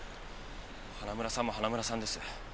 花村さんも花村さんです。